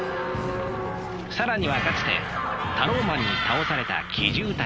更にはかつてタローマンに倒された奇獣たちも。